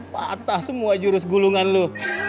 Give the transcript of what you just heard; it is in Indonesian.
patah semua jurus gulungan lo